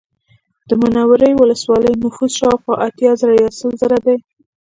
د منورې ولسوالۍ نفوس شاوخوا اتیا زره یا سل زره دی